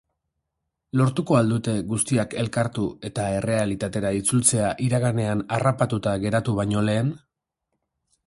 Lortuko al dute guztiak elkartu eta errealitatera itzultzea iraganean harrapatuta geratu baino lehen?